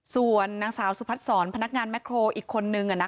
ส่วนนางสาวสุพัฒนศรพนักงานแครอีกคนนึง